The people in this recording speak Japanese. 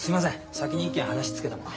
先に一件話つけたもんで。